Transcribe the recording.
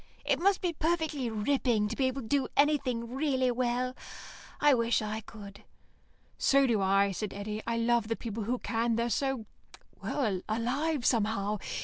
"It must be perfectly ripping to be able to do anything really well. I wish I could." "So do I," said Eddy. "I love the people who can. They're so well, alive, somehow.